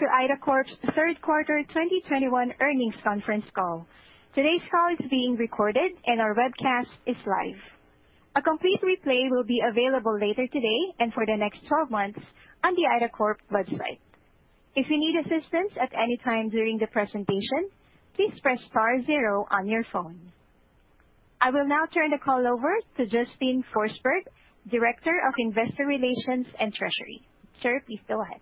Welcome to IDACORP's Third Quarter 2021 Earnings Conference Call. Today's call is being recorded and our webcast is live. A complete replay will be available later today and for the next 12 months on the IDACORP website. If you need assistance at any time during the presentation, please press star zero on your phone. I will now turn the call over to Justin Forsberg, Director of Investor Relations and Treasury. Sir, please go ahead.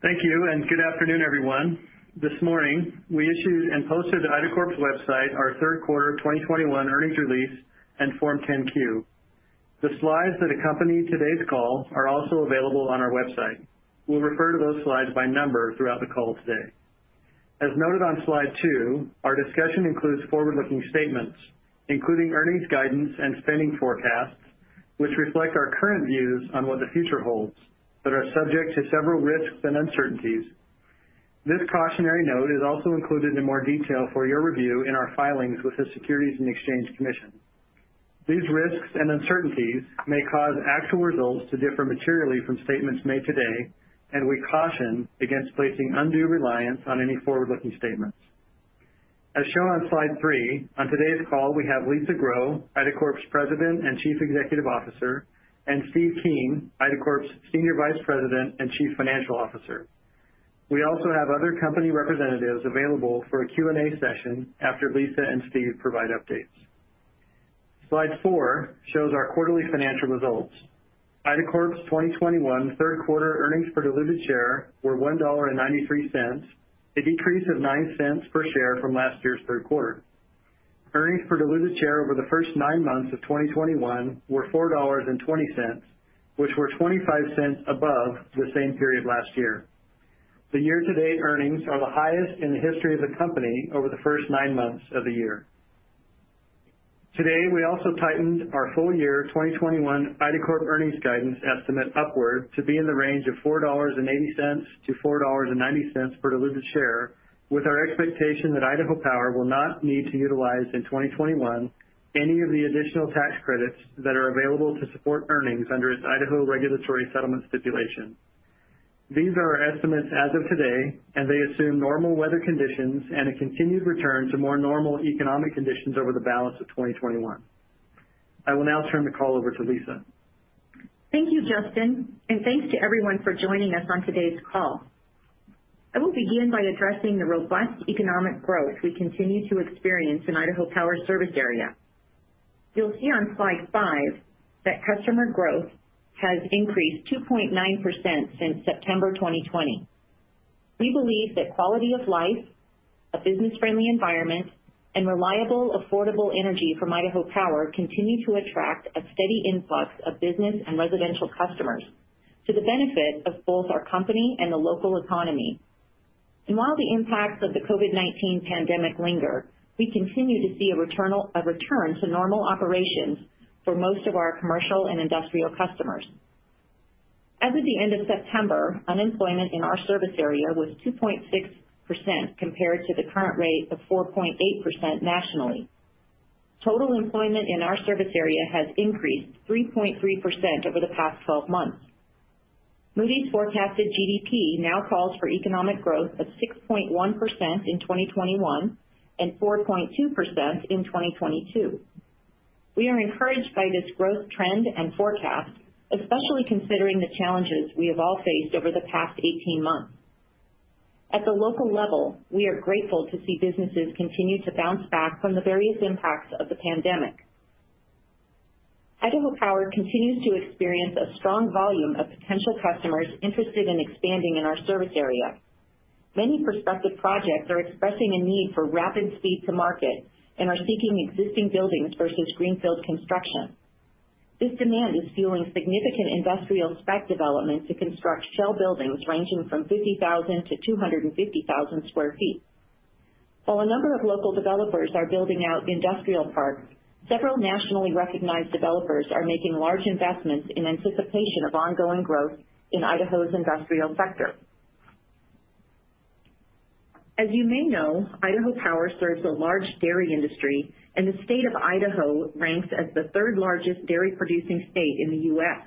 Thank you and good afternoon, everyone. This morning, we issued and posted to IDACORP's website our third quarter of 2021 earnings release and Form 10-Q. The slides that accompany today's call are also available on our website. We'll refer to those slides by number throughout the call today. As noted on slide two, our discussion includes forward-looking statements, including earnings guidance and spending forecasts, which reflect our current views on what the future holds, but are subject to several risks and uncertainties. This cautionary note is also included in more detail for your review in our filings with the Securities and Exchange Commission. These risks and uncertainties may cause actual results to differ materially from statements made today, and we caution against placing undue reliance on any forward-looking statements. As shown on slide three, on today's call, we have Lisa Grow, IDACORP's President and Chief Executive Officer, and Steve Keen, IDACORP's Senior Vice President and Chief Financial Officer. We also have other company representatives available for a Q&A session after Lisa and Steve provide updates. Slide four shows our quarterly financial results. IDACORP's 2021 third quarter earnings per diluted share were $1.93, a decrease of $0.09 per share from last year's third quarter. Earnings per diluted share over the first nine months of 2021 were $4.20, which were $0.25 above the same period last year. The year-to-date earnings are the highest in the history of the company over the first nine months of the year. Today, we also tightened our full year 2021 IDACORP earnings guidance estimate upward to be in the range of $4.80-$4.90 per diluted share, with our expectation that Idaho Power will not need to utilize in 2021 any of the additional tax credits that are available to support earnings under its Idaho regulatory settlement stipulation. These are our estimates as of today, and they assume normal weather conditions and a continued return to more normal economic conditions over the balance of 2021. I will now turn the call over to Lisa. Thank you, Justin, and thanks to everyone for joining us on today's call. I will begin by addressing the robust economic growth we continue to experience in Idaho Power service area. You'll see on slide five that customer growth has increased 2.9% since September 2020. We believe that quality of life, a business-friendly environment, and reliable, affordable energy from Idaho Power continue to attract a steady influx of business and residential customers to the benefit of both our company and the local economy. While the impacts of the COVID-19 pandemic linger, we continue to see a return to normal operations for most of our commercial and industrial customers. As of the end of September, unemployment in our service area was 2.6% compared to the current rate of 4.8% nationally. Total employment in our service area has increased 3.3% over the past 12 months. Moody's forecasted GDP now calls for economic growth of 6.1% in 2021 and 4.2% in 2022. We are encouraged by this growth trend and forecast, especially considering the challenges we have all faced over the past 18 months. At the local level, we are grateful to see businesses continue to bounce back from the various impacts of the pandemic. Idaho Power continues to experience a strong volume of potential customers interested in expanding in our service area. Many prospective projects are expressing a need for rapid speed to market and are seeking existing buildings versus greenfield construction. This demand is fueling significant industrial spec development to construct shell buildings ranging from 50,000 to 250,000 sq ft. While a number of local developers are building out industrial parks, several nationally recognized developers are making large investments in anticipation of ongoing growth in Idaho's industrial sector. As you may know, Idaho Power serves a large dairy industry, and the state of Idaho ranks as the third-largest dairy producing state in the U.S.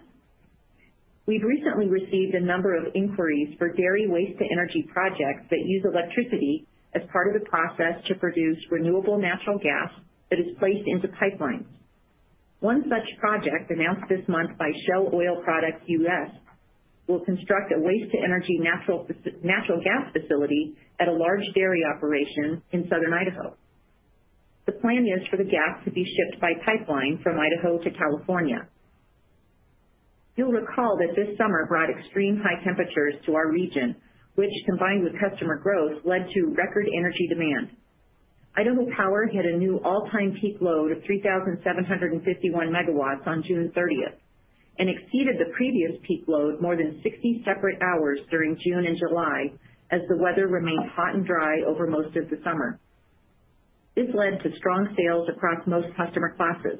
We've recently received a number of inquiries for dairy waste-to-energy projects that use electricity as part of the process to produce renewable natural gas that is placed into pipelines. One such project, announced this month by Shell Oil Products U.S., will construct a waste-to-energy natural gas facility at a large dairy operation in southern Idaho. The plan is for the gas to be shipped by pipeline from Idaho to California. You'll recall that this summer brought extreme high temperatures to our region, which, combined with customer growth, led to record energy demand. Idaho Power hit a new all-time peak load of 3,751 MW on June 30th and exceeded the previous peak load more than 60 separate hours during June and July as the weather remained hot and dry over most of the summer. This led to strong sales across most customer classes.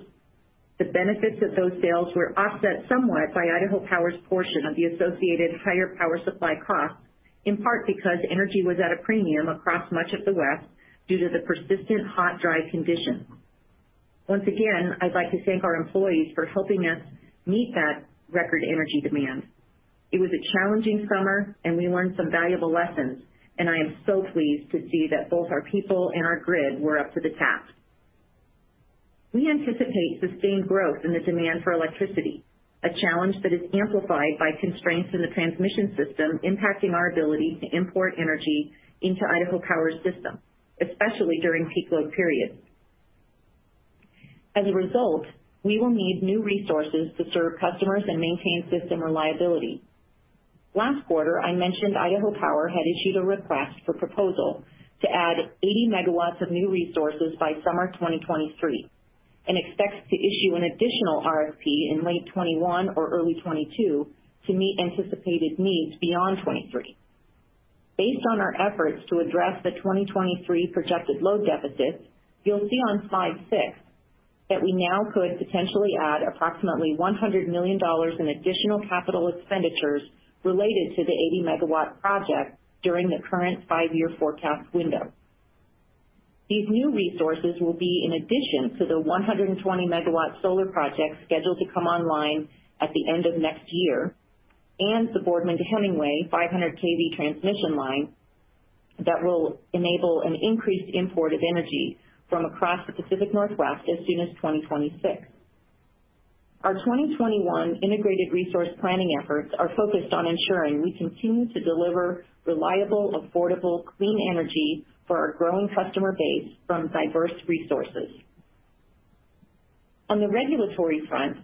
The benefits of those sales were offset somewhat by Idaho Power's portion of the associated higher power supply costs, in part because energy was at a premium across much of the West due to the persistent hot, dry conditions. Once again, I'd like to thank our employees for helping us meet that record energy demand. It was a challenging summer, and we learned some valuable lessons, and I am so pleased to see that both our people and our grid were up to the task. We anticipate sustained growth in the demand for electricity, a challenge that is amplified by constraints in the transmission system impacting our ability to import energy into Idaho Power's system, especially during peak load periods. As a result, we will need new resources to serve customers and maintain system reliability. Last quarter, I mentioned Idaho Power had issued a request for proposal to add 80 MW of new resources by summer 2023 and expects to issue an additional RFP in late 2021 or early 2022 to meet anticipated needs beyond 2023. Based on our efforts to address the 2023 projected load deficits, you'll see on slide 6 that we now could potentially add approximately $100 million in additional capital expenditures related to the 80-MW project during the current five-year forecast window. These new resources will be in addition to the 120-MW solar project scheduled to come online at the end of next year, and the Boardman to Hemingway 500 kV transmission line that will enable an increased import of energy from across the Pacific Northwest as soon as 2026. Our 2021 integrated resource planning efforts are focused on ensuring we continue to deliver reliable, affordable, clean energy for our growing customer base from diverse resources. On the regulatory front,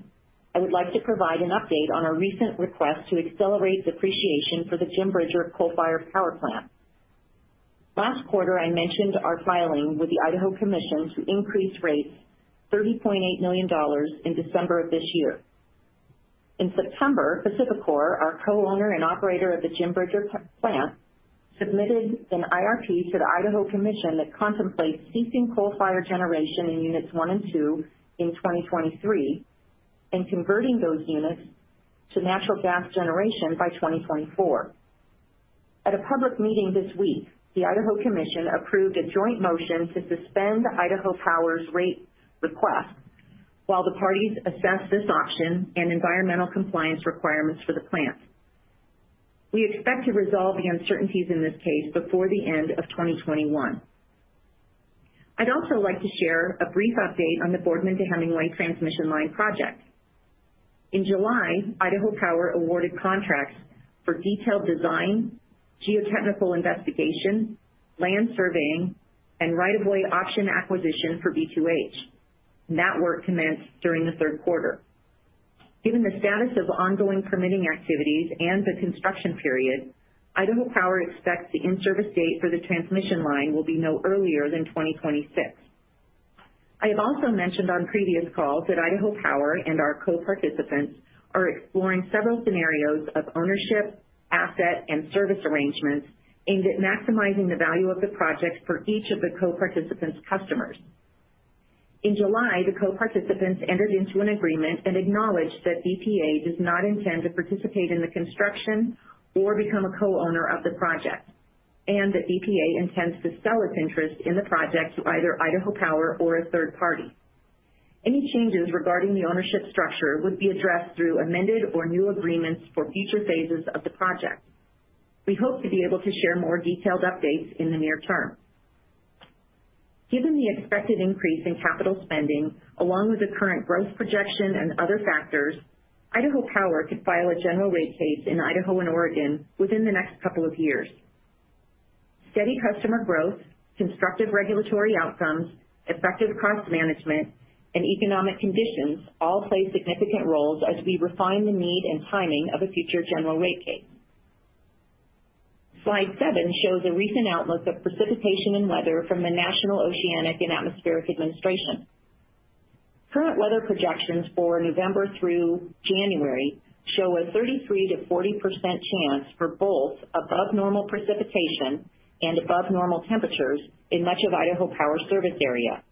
I would like to provide an update on our recent request to accelerate depreciation for the Jim Bridger coal-fired power plant. Last quarter, I mentioned our filing with the Idaho Commission to increase rates $30.8 million in December of this year. In September, PacifiCorp, our co-owner and operator of the Jim Bridger power plant, submitted an IRP to the Idaho Commission that contemplates ceasing coal-fired generation in units 1 and 2 in 2023 and converting those units to natural gas generation by 2024. At a public meeting this week, the Idaho Commission approved a joint motion to suspend Idaho Power's rate request while the parties assess this option and environmental compliance requirements for the plant. We expect to resolve the uncertainties in this case before the end of 2021. I'd also like to share a brief update on the Boardman to Hemingway transmission line project. In July, Idaho Power awarded contracts for detailed design, geotechnical investigation, land surveying, and right-of-way option acquisition for B2H, and that work commenced during the third quarter. Given the status of ongoing permitting activities and the construction period, Idaho Power expects the in-service date for the transmission line will be no earlier than 2026. I have also mentioned on previous calls that Idaho Power and our co-participants are exploring several scenarios of ownership, asset, and service arrangements aimed at maximizing the value of the project for each of the co-participants' customers. In July, the co-participants entered into an agreement and acknowledged that BPA does not intend to participate in the construction or become a co-owner of the project, and that BPA intends to sell its interest in the project to either Idaho Power or a third party. Any changes regarding the ownership structure would be addressed through amended or new agreements for future phases of the project. We hope to be able to share more detailed updates in the near term. Given the expected increase in capital spending, along with the current growth projection and other factors, Idaho Power could file a general rate case in Idaho and Oregon within the next couple of years. Steady customer growth, constructive regulatory outcomes, effective cost management, and economic conditions all play significant roles as we refine the need and timing of a future general rate case. Slide seven shows a recent outlook of precipitation and weather from the National Oceanic and Atmospheric Administration. Current weather projections for November through January show a 33%-40% chance for both above normal precipitation and above normal temperatures in much of Idaho Power's service area.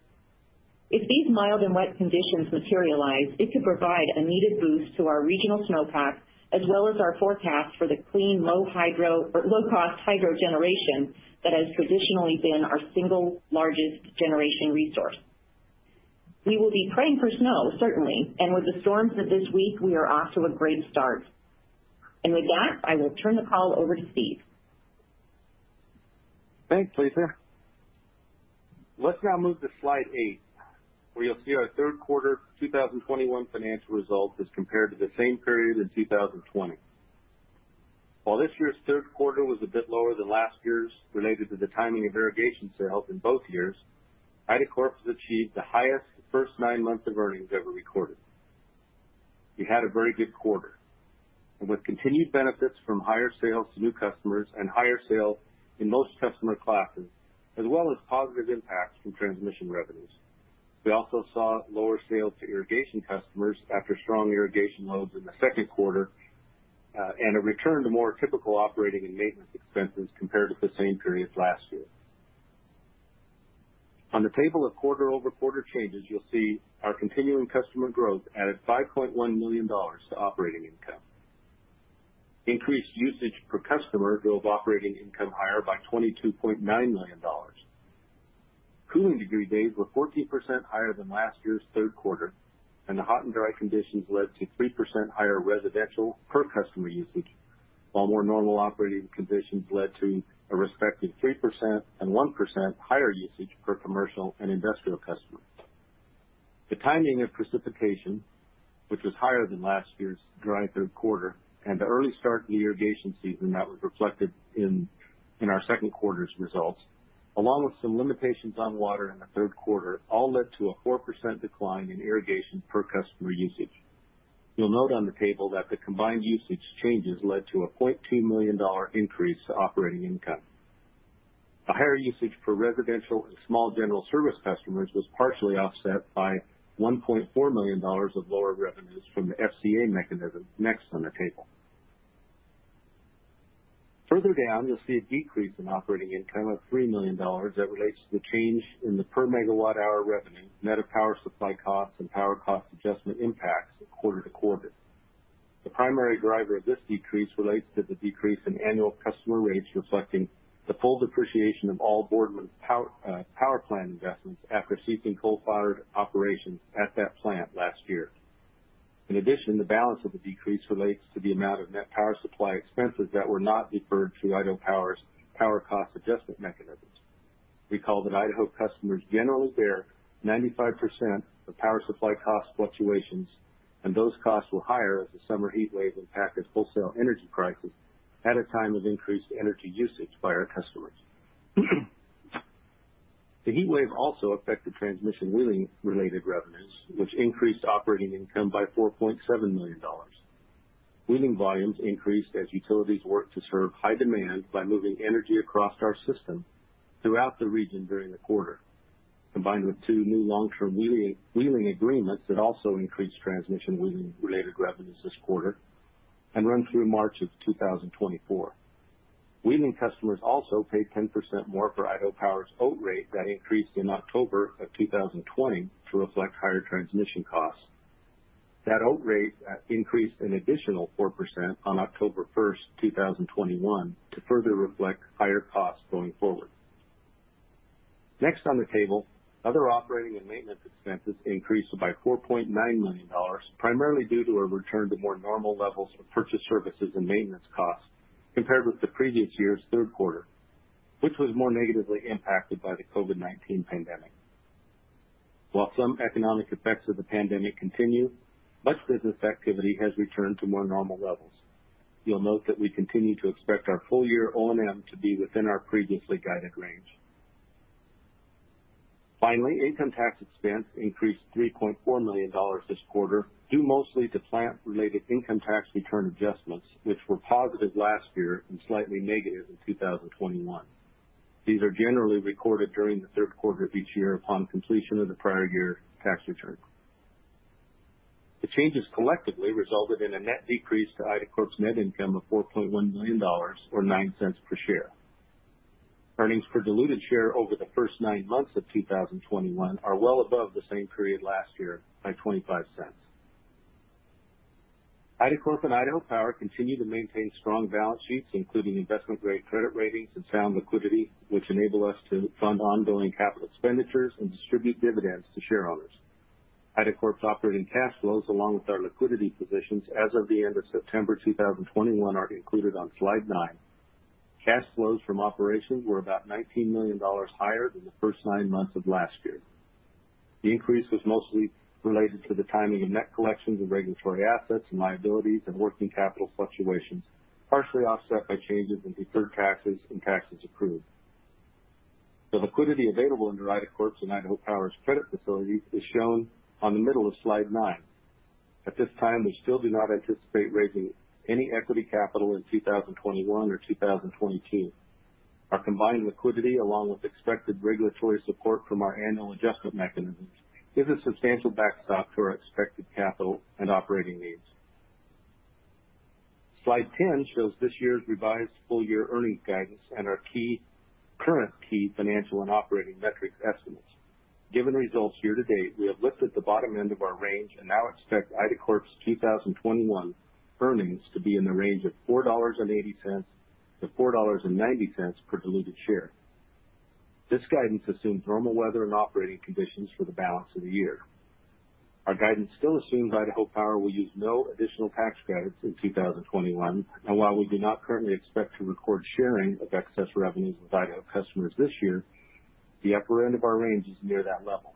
If these mild and wet conditions materialize, it could provide a needed boost to our regional snowpack, as well as our forecast for the clean, low hydro or low-cost hydro generation that has traditionally been our single largest generation resource. We will be praying for snow, certainly, and with the storms of this week, we are off to a great start. With that, I will turn the call over to Steve. Thanks, Lisa. Let's now move to slide eight, where you'll see our third quarter 2021 financial results as compared to the same period in 2020. While this year's third quarter was a bit lower than last year's, related to the timing of irrigation sales in both years, IDACORP has achieved the highest first nine months of earnings ever recorded. We had a very good quarter and with continued benefits from higher sales to new customers and higher sales in most customer classes, as well as positive impacts from transmission revenues. We also saw lower sales to irrigation customers after strong irrigation loads in the second quarter, and a return to more typical operating and maintenance expenses compared to the same period last year. On the table of quarter-over-quarter changes, you'll see our continuing customer growth added $5.1 million to operating income. Increased usage per customer drove operating income higher by $22.9 million. Cooling degree days were 14% higher than last year's third quarter, and the hot and dry conditions led to 3% higher residential per customer usage, while more normal operating conditions led to a respective 3% and 1% higher usage per commercial and industrial customer. The timing of precipitation, which was higher than last year's dry third quarter, and the early start to the irrigation season that was reflected in our second quarter's results, along with some limitations on water in the third quarter, all led to a 4% decline in irrigation per customer usage. You'll note on the table that the combined usage changes led to a $0.2 million increase to operating income. A higher usage for residential and small general service customers was partially offset by $1.4 million of lower revenues from the FCA mechanism, next on the table. Further down, you'll see a decrease in operating income of $3 million that relates to the change in the per megawatt-hour revenue, net of power supply costs and power cost adjustment impacts quarter-to-quarter. The primary driver of this decrease relates to the decrease in annual customer rates, reflecting the full depreciation of all Boardman power plant investments after ceasing coal-fired operations at that plant last year. In addition, the balance of the decrease relates to the amount of net power supply expenses that were not deferred through Idaho Power's power cost adjustment mechanisms. Recall that Idaho customers generally bear 95% of power supply cost fluctuations, and those costs were higher as the summer heat wave impacted wholesale energy prices at a time of increased energy usage by our customers. The heat wave also affected transmission wheeling-related revenues, which increased operating income by $4.7 million. Wheeling volumes increased as utilities worked to serve high demand by moving energy across our system throughout the region during the quarter, combined with two new long-term wheeling agreements that also increased transmission wheeling-related revenues this quarter and run through March of 2024. Wheeling customers also paid 10% more for Idaho Power's OAT rate that increased in October of 2020 to reflect higher transmission costs. That OAT rate increased an additional 4% on October 1st, 2021, to further reflect higher costs going forward. Next on the table, other operating and maintenance expenses increased by $4.9 million, primarily due to a return to more normal levels of purchased services and maintenance costs compared with the previous year's third quarter, which was more negatively impacted by the COVID-19 pandemic. While some economic effects of the pandemic continue, much business activity has returned to more normal levels. You'll note that we continue to expect our full-year O&M to be within our previously guided range. Finally, income tax expense increased $3.4 million this quarter, due mostly to plant-related income tax return adjustments, which were positive last year and slightly negative in 2021. These are generally recorded during the third quarter of each year upon completion of the prior year tax return. The changes collectively resulted in a net decrease to IDACORP's net income of $4.1 million or $0.09 per share. Earnings per diluted share over the first nine months of 2021 are well above the same period last year by $0.25. IDACORP and Idaho Power continue to maintain strong balance sheets, including investment-grade credit ratings and sound liquidity, which enable us to fund ongoing capital expenditures and distribute dividends to shareholders. IDACORP's operating cash flows, along with our liquidity positions as of the end of September 2021, are included on slide nine. Cash flows from operations were about $19 million higher than the first nine months of last year. The increase was mostly related to the timing of net collections of regulatory assets and liabilities and working capital fluctuations, partially offset by changes in deferred taxes and taxes accrued. The liquidity available under IDACORP's and Idaho Power's credit facilities is shown on the middle of Slide nine. At this time, we still do not anticipate raising any equity capital in 2021 or 2022. Our combined liquidity, along with expected regulatory support from our annual adjustment mechanisms, gives a substantial backstop to our expected capital and operating needs. Slide 10 shows this year's revised full-year earnings guidance and our key current financial and operating metrics estimates. Given results year to date, we have lifted the bottom end of our range and now expect IDACORP's 2021 earnings to be in the range of $4.80-$4.90 per diluted share. This guidance assumes normal weather and operating conditions for the balance of the year. Our guidance still assumes Idaho Power will use no additional tax credits in 2021, and while we do not currently expect to record sharing of excess revenues with Idaho customers this year, the upper end of our range is near that level.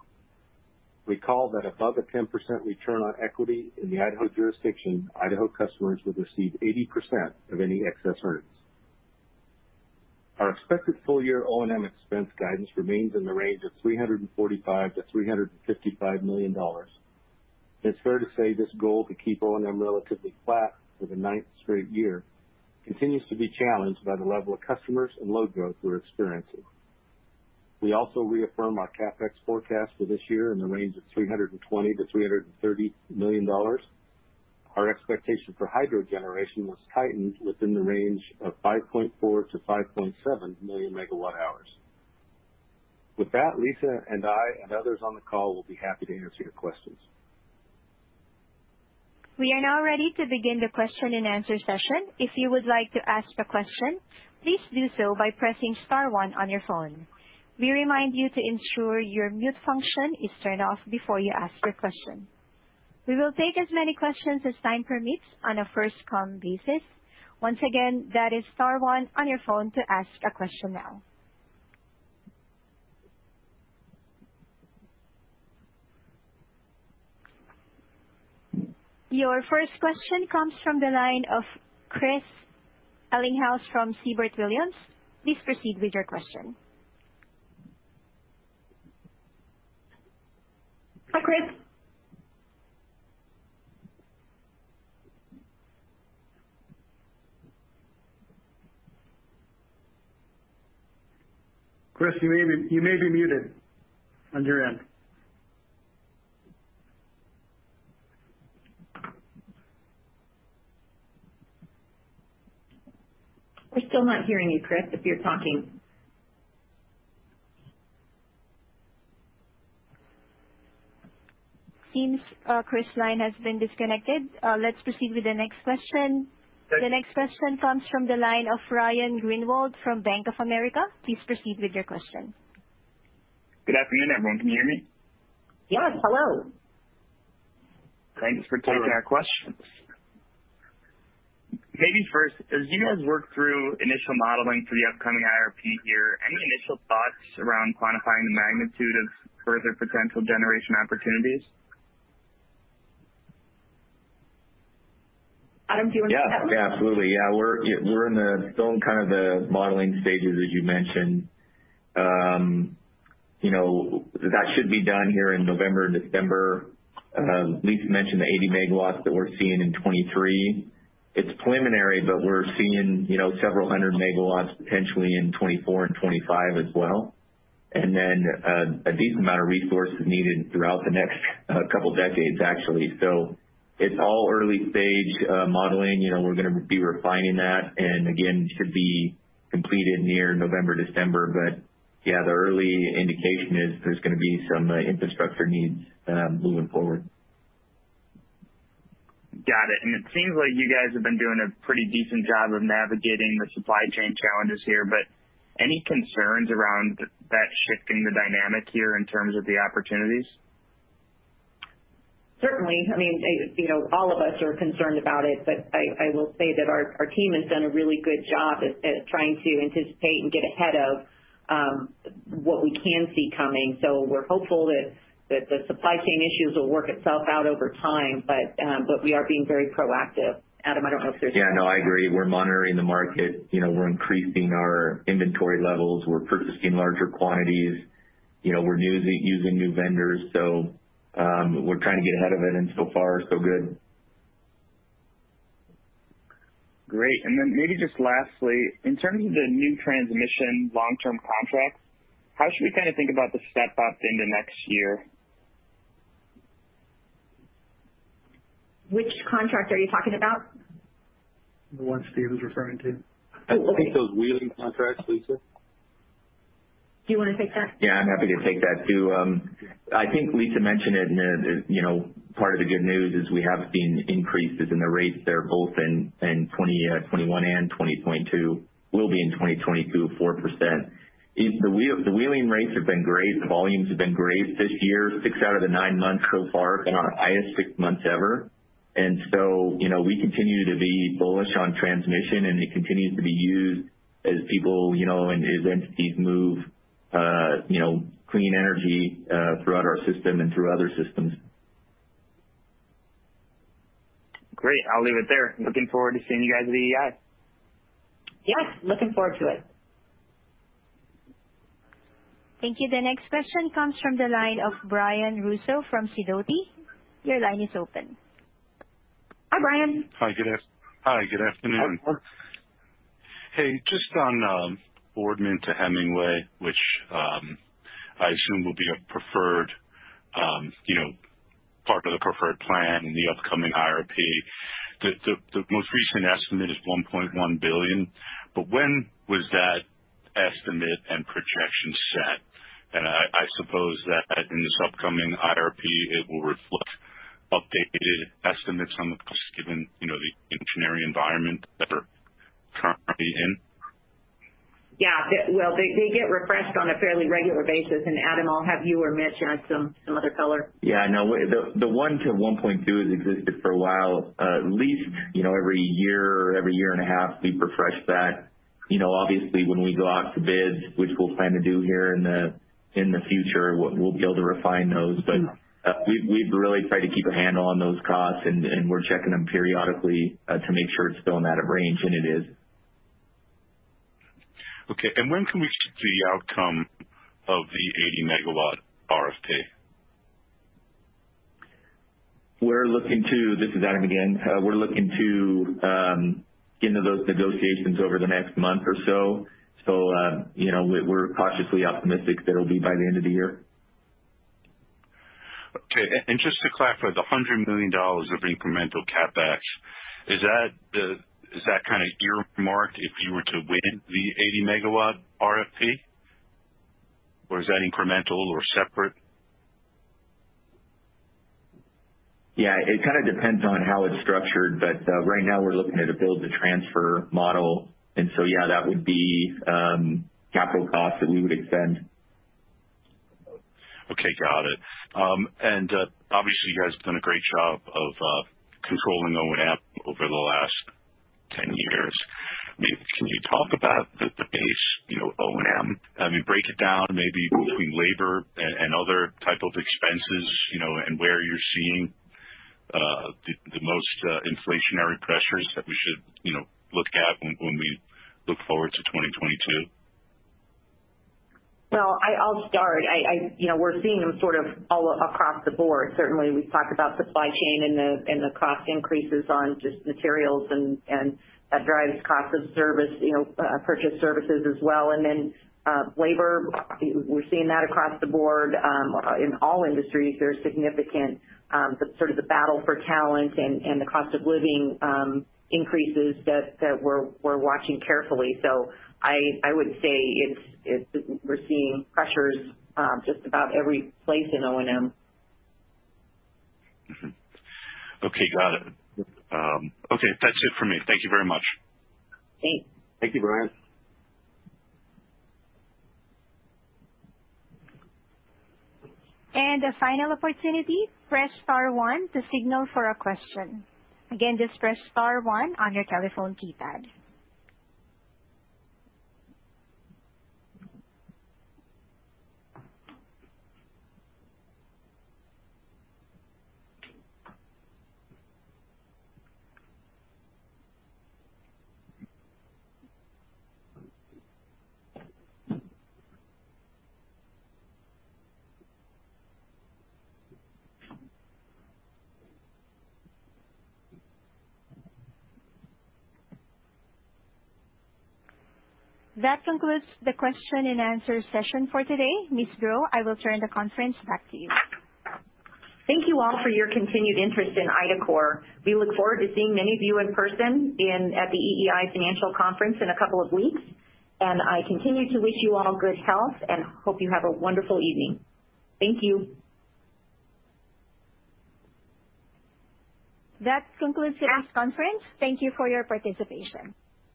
Recall that above a 10% return on equity in the Idaho jurisdiction, Idaho customers would receive 80% of any excess earnings. Our expected full-year O&M expense guidance remains in the range of $345 million-$355 million. It's fair to say this goal to keep O&M relatively flat for the ninth straight year continues to be challenged by the level of customers and load growth we're experiencing. We also reaffirm our CapEx forecast for this year in the range of $320 million-$330 million. Our expectation for hydro generation was tightened within the range of 5.4 million-5.7 million megawatt hours. With that, Lisa and I and others on the call will be happy to answer your questions. We are now ready to begin the question and answer session. If you would like to ask a question, please do so by pressing star one on your phone. We remind you to ensure your mute function is turned off before you ask your question. We will take as many questions as time permits on a first come basis. Once again, that is star one on your phone to ask a question now. Your first question comes from the line of Chris Ellinghaus from Siebert Williams Shank. Please proceed with your question. Hi, Chris. Chris, you may be muted on your end. We're still not hearing you, Chris, if you're talking. It seems Chris' line has been disconnected. Let's proceed with the next question. Okay. The next question comes from the line of Ryan Greenwald from Bank of America. Please proceed with your question. Good afternoon, everyone. Can you hear me? Yes. Hello. Thanks for taking our questions. Maybe first, as you guys work through initial modeling for the upcoming IRP year, any initial thoughts around quantifying the magnitude of further potential generation opportunities? Adam, do you want to take that? Yeah. Yeah, absolutely. Yeah, we're still in kind of the modeling stages, as you mentioned. You know, that should be done here in November, December. Lisa mentioned the 80 MW that we're seeing in 2023. It's preliminary, but we're seeing, you know, several hundred MW potentially in 2024 and 2025 as well. A decent amount of resources needed throughout the next couple decades, actually. It's all early stage modeling. You know, we're gonna be refining that, and again, should be completed near November, December. But yeah, the early indication is there's gonna be some infrastructure needs moving forward. Got it. It seems like you guys have been doing a pretty decent job of navigating the supply chain challenges here, but any concerns around that shifting the dynamic here in terms of the opportunities? Certainly. I mean, you know, all of us are concerned about it, but I will say that our team has done a really good job at trying to anticipate and get ahead of what we can see coming. We're hopeful that the supply chain issues will work itself out over time. We are being very proactive. Adam, I don't know if there's- Yeah, no, I agree. We're monitoring the market. You know, we're increasing our inventory levels. We're purchasing larger quantities. You know, we're using new vendors. We're trying to get ahead of it, and so far, so good. Great. Maybe just lastly, in terms of the new transmission long-term contracts, how should we kind of think about the step up into next year? Which contract are you talking about? The one Steve was referring to. I think those wheeling contracts, Lisa. Do you wanna take that? Yeah, I'm happy to take that, too. I think Lisa mentioned it in the you know part of the good news is we have seen increases in the rates there both in 2021 and 2022 will be 4%. The wheeling rates have been great. The volumes have been great this year. six out of the nine months so far been our highest six months ever. You know, we continue to be bullish on transmission, and it continues to be used as people, you know, and as entities move, you know, clean energy throughout our system and through other systems. Great. I'll leave it there. Looking forward to seeing you guys at the EEI. Yes, looking forward to it. Thank you. The next question comes from the line of Brian Russo from Sidoti. Your line is open. Hi, Brian. Hi. Good afternoon. Hey, just on Boardman to Hemingway, which I assume will be a preferred, you know, part of the preferred plan in the upcoming IRP. The most recent estimate is $1.1 billion, but when was that estimate and projection set? I suppose that in this upcoming IRP it will reflect updated estimates on the costs given, you know, the engineering environment that we're currently in. Well, they get refreshed on a fairly regular basis. Adam, I'll have you or Mitch add some other color. Yeah, no. The one to 1.2 has existed for a while. At least, you know, every year or every year and a half, we refresh that. You know, obviously, when we go out to bids, which we'll plan to do here in the future, we'll be able to refine those. But we've really tried to keep a handle on those costs, and we're checking them periodically to make sure it's still in that range, and it is. Okay. When can we expect the outcome of the 80 MW RFP? This is Adam again. We're looking to get into those negotiations over the next month or so. You know, we're cautiously optimistic that it'll be by the end of the year. Okay. Just to clarify, the $100 million of incremental CapEx, is that kind of earmarked if you were to win the 80 MW RFP? Or is that incremental or separate? Yeah, it kind of depends on how it's structured, but right now we're looking at a build-to-transfer model. Yeah, that would be capital costs that we would extend. Okay, got it. Obviously, you guys have done a great job of controlling O&M over the last 10 years. Maybe can you talk about the base, you know, O&M? I mean, break it down maybe between labor and other type of expenses, you know, and where you're seeing the most inflationary pressures that we should, you know, look at when we look forward to 2022. Well, I'll start. You know, we're seeing them sort of all across the board. Certainly, we've talked about supply chain and the cost increases on just materials and that drives cost of service, you know, purchase services as well. Labor, we're seeing that across the board in all industries. There's significant the sort of battle for talent and the cost of living increases that we're watching carefully. I would say we're seeing pressures just about every place in O&M. Mm-hmm. Okay. Got it. Okay. That's it for me. Thank you very much. Thanks. Thank you, Brian. A final opportunity, press star one to signal for a question. Again, just press star one on your telephone keypad. That concludes the question and answer session for today. Ms. Grow, I will turn the conference back to you. Thank you all for your continued interest in IDACORP. We look forward to seeing many of you in person at the EEI Financial Conference in a couple of weeks. I continue to wish you all good health and hope you have a wonderful evening. Thank you. That concludes today's conference. Thank you for your participation.